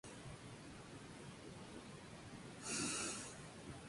Una tercera alternativa consiste en la manipulación coherente de iones en una trampa lineal.